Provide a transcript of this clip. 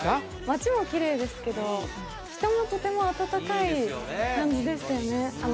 街もきれいですけど人もとても温かい感じでしたよね